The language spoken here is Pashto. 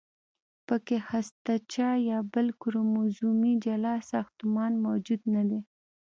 پکې هستچه یا بل کروموزومي جلا ساختمان موجود نه دی.